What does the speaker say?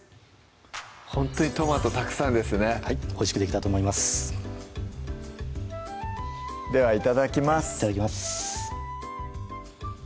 ほんとにトマトたくさんですねはいおいしくできたと思いますではいただきますいただきます